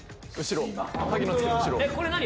これ何？